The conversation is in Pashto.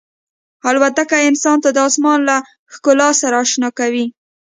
الوتکه انسان د آسمان له ښکلا سره اشنا کوي.